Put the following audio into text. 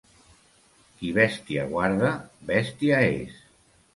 Qui bèstia guarda, bèstia és.